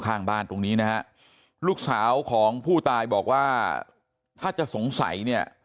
ข้างบ้านตรงนี้นะฮะลูกสาวของผู้ตายบอกว่าถ้าจะสงสัยเนี่ย